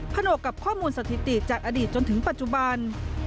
ผนวกกับข้อมูลสถิติจากอดีตจนถึงปัจจุบัน